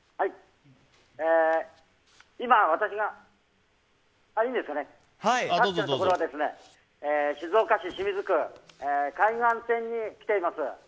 今、私が立っているところは静岡市清水区海岸線に来ています。